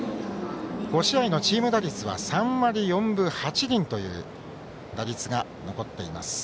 ５試合のチーム打率は３割４分８厘という打率が残っています。